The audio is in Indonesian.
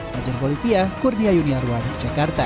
fajar bolivia kurnia yuniarwan jakarta